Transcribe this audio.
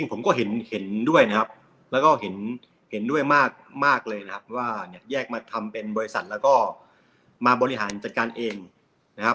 ผมก็เห็นด้วยนะครับแล้วก็เห็นด้วยมากเลยนะครับว่าเนี่ยแยกมาทำเป็นบริษัทแล้วก็มาบริหารจัดการเองนะครับ